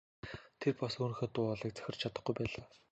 Тэр бас өөрийнхөө дуу хоолойг захирч чадахгүй байлаа.